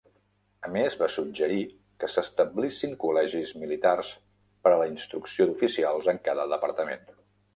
A més, va suggerir que s'establissin col·legis militars per a la instrucció d'oficials en cada departament.